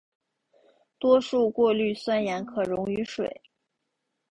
多数过氯酸盐可溶于水。